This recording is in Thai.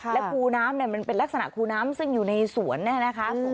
และคูน้ำมันเป็นลักษณะคูน้ำซึ่งอยู่ในสวนเนี่ยนะคะ